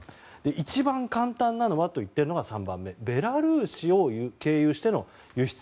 一番簡単だと言っているのが３番目のベラルーシを経由しての輸出。